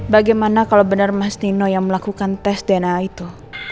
bagaimana kalo bener mas nino yang melakukan tes dna itu